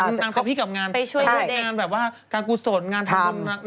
นางเซ็กพี่กับงานงานแบบว่าการกุศลงานทางคุณ